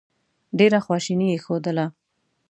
ډېره خواشیني یې ښودله.